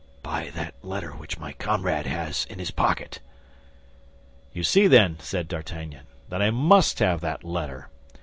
"By that letter which my comrade has in his pocket." "You see, then," said D'Artagnan, "that I must have that letter.